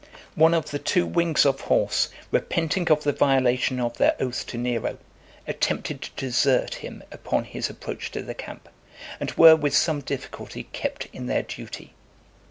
One of the two wings of horse, repenting of the violation of their oath to Nero, attempted to desert him upon his approach to the camp, and were with some difficulty kept in their duty.